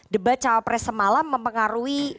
debat cawa press semalam mempengaruhi